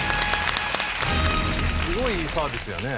すごいいいサービスやね。